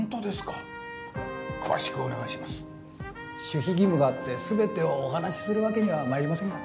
守秘義務があって全てをお話しするわけには参りませんが。